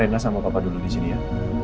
erna sama papa dulu di sini ya